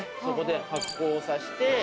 そこで発酵さして。